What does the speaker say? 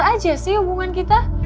itu bener aja sih hubungan kita